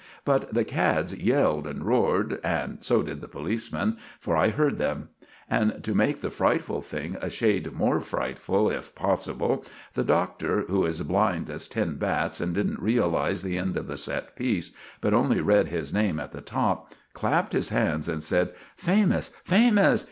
But the cads yelled and roared, and so did the policemen, for I heard them; and to make the frightful thing a shade more frightful, if possible, the Doctor, who is as blind as ten bats, and didn't realize the end of the set piece, but only read his name at the top, clapped his hands and said: "Famous, famous!